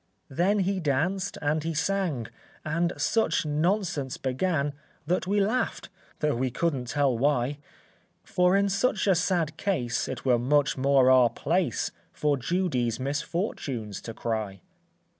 Then he danced and he sang, And such nonsense began, That we laughed, though we couldn't tell why; For in such a sad case It were much more our place For Judy's misfortunes to cry.